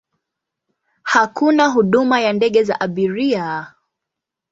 Hakuna huduma ya ndege za abiria.